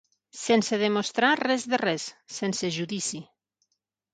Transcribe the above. Sense demostrar res de res, sense judici.